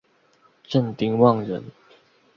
郑丁旺人。